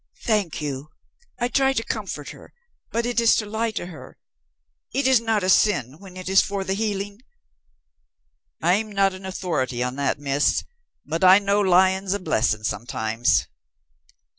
"Thank you. I try to comfort her. But it is to lie to her? It is not a sin, when it is for the healing?" "I'm not authority on that, Miss, but I know lying's a blessing sometimes."